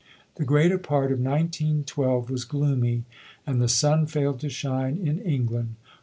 The greater part of 1912 was gloomy, and the sun failed to shine in England.